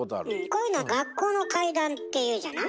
こういうの「学校の怪談」っていうじゃない？